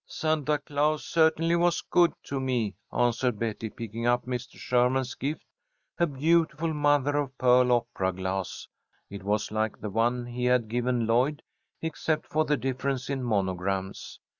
"Santa Claus certainly was good to me," answered Betty, picking up Mr. Sherman's gift, a beautiful mother of pearl opera glass. It was like the one he had given Lloyd, except for the difference in monograms.